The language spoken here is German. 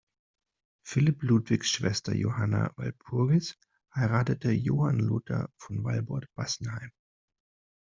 Philipp Ludwigs Schwester Johanna Walpurgis heiratete Johann Lothar von Walbott-Bassenheim.